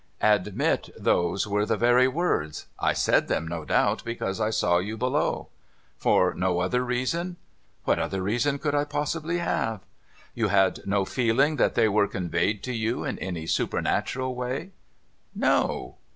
* Admit those were the very words. I said them, no doubt, because I saw you below.' ' For no other reason ?'* What other reason could I possibly have ?'' You had no feeling that they were conveyed to you in any supernatural way ?' 'No.'